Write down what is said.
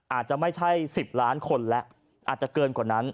อาจจะไม่ใช่๑๐ล้านคนแล้วอาจจะเกินกว่านั้น